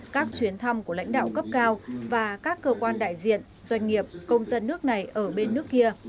các chuyến thăm của lãnh đạo cấp cao và các cơ quan đại diện doanh nghiệp công dân nước này ở bên nước kia